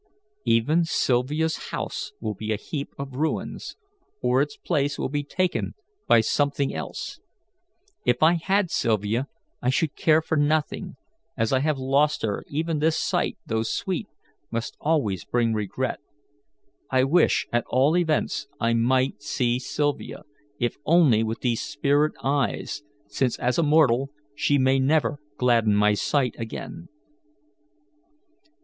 "Even Sylvia's house will be a heap of ruins, or its place will be taken by something else. If I had Sylvia, I should care for nothing; as I have lost her, even this sight, though sweet, must always bring regret. I wish, at all events, I might see Sylvia, if only with these spirit eyes, since, as a mortal, she may never gladden my sight again."